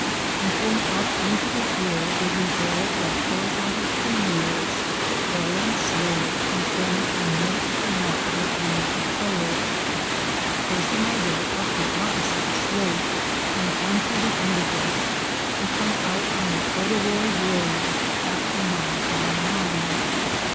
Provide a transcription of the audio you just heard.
When thrown up into the air they revolve like horizontal pin wheels, falling slowly and forming a most remarkable rain of color. Forcing our way up the opposite slope and on through the underbrush we come out on the corduroy road half a mile from the mine.